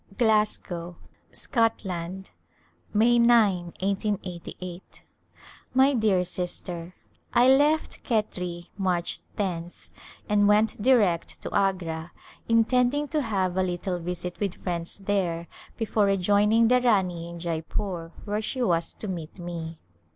Glasgow^ Scotland^ May p, 1888. My dear Sister : I left Khetri March loth and went direct to Agra, intending to have a little visit with friends there before rejoining the Rani in Jeypore where she was to meet me.